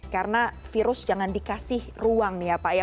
karena virus jangan dikasih ruang nih ya pak ya